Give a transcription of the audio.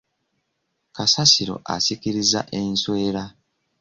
Kasasiro asikiriza enswera.